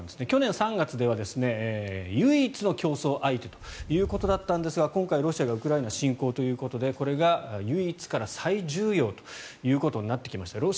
去年３月では、唯一の競争相手ということだったんですが今回、ロシアがウクライナに侵攻ということでこれが唯一から最重要となってきました。